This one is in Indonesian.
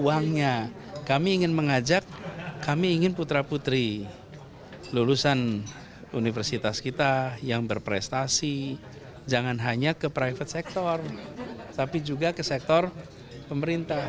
uangnya kami ingin mengajak kami ingin putra putri lulusan universitas kita yang berprestasi jangan hanya ke private sector tapi juga ke sektor pemerintah